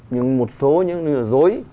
nhưng một số những dối